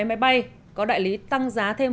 máy bay có đại lý tăng giá thêm